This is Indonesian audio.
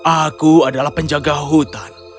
aku adalah penjaga hutan